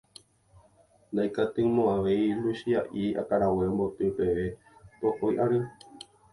Ndaikytĩmo'ãvéi Luchia'i akãrague omboty peve pokõi ary.